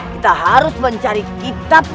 kita harus mencari kitab